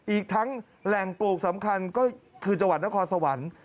อีกทั้งแหล่งปลูกสำคัญก็คือจังหวัดนครสวรรค์